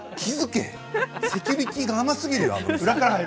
セキュリティーが甘すぎる。